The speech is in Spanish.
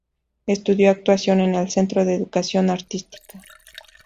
Estudió actuación en el Centro de Educación Artística.